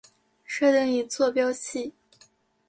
设定一坐标系。